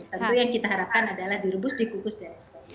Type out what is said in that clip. tentu yang kita harapkan adalah direbus dikukus dan sebagainya